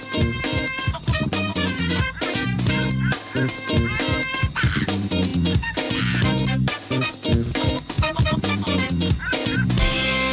ข้าวใส่ไทยสบกว่าเดิมค่อยเวลา